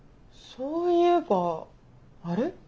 そういえばあれ？